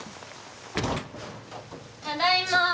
ただいま。